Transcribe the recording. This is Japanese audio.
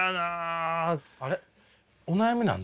あれ？